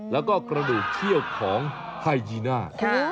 แล้วก็กระดูกเขี้ยวของไฮยีน่า